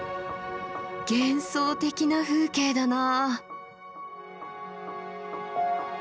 幻想的な風景だなあ。